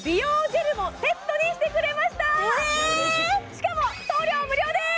しかも送料無料です